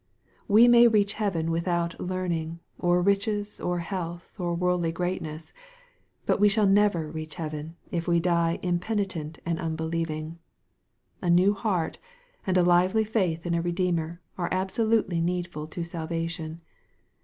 We may reach heaven without learning, or riches, or health, or worldly greatness. But we shall never reach heaven, if we die impenitent and unbelieving. A new heart, and a lively faith in a Redeemer, are absolutely needful to salvation.